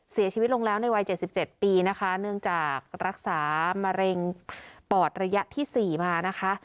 เสียชีวิตลงแล้วในวัย๗๗ปีนะคะเนื่องจากรักษามะเร็งปอดระยะที่๔มานะคะ